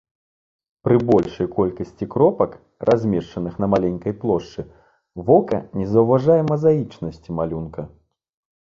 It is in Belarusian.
Пры большай колькасці кропак, размешчаных на маленькай плошчы, вока не заўважае мазаічнасці малюнка.